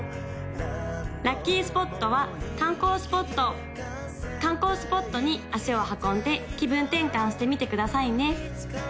・ラッキースポットは観光スポット観光スポットに足を運んで気分転換してみてくださいね